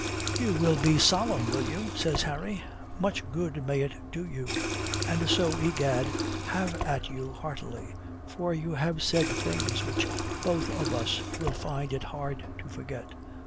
"You will be solemn, will you?" says Harry. "Much good may it do you. And so, egad, have at you heartily. For you have said things which both of us will find it hard to forget."